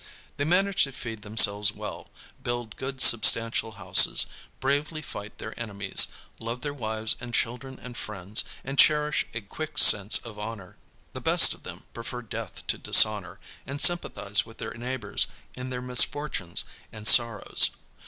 They manage to feed themselves well, build good substantial houses, bravely fight their enemies, love their wives and children and friends, and cherish a quick sense of honor. The best of them prefer death to dishonor, and sympathize with their neighbors in their misfortunes and sorrows.